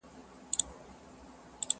او د نیکه نکلونه نه ختمېدل!